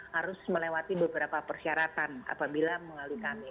harus melewati beberapa persyaratan apabila melalui kami